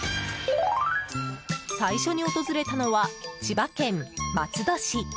最初に訪れたのは千葉県松戸市。